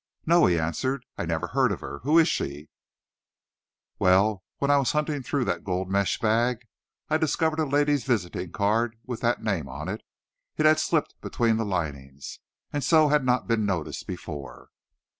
"No," he answered, "I never heard of her. Who is she?" "Well, when I was hunting through that gold mesh bag, I discovered a lady's visiting card with that name on it. It had slipped between the linings, and so had not been noticed before."